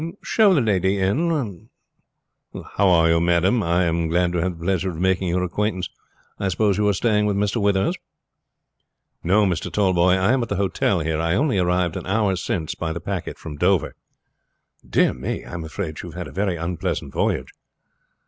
"Show the lady in. How are you, madam? I am glad to have the pleasure of making your acquaintance. I suppose you are staying with Mr. Withers?" "No, Mr. Tallboys, I am at the hotel here. I only arrived an hour since by the packet from Dover." "Dear me. I am afraid you have had a very unpleasant voyage."